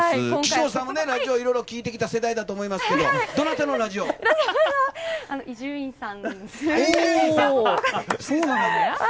岸本さんもラジオをいろいろ聴いてきた世代だと思いますが伊集院さん。